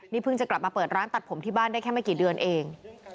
นี่เพิ่งจะกลับมาเปิดร้านตัดผมที่บ้านได้แค่ไม่กี่เดือนเอง